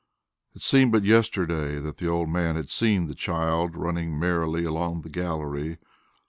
It seemed but yesterday that the old man had seen the child running merrily along the gallery.